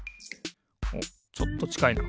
おっちょっとちかいな。